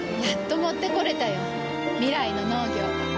やっと持ってこれたよ。未来の農業。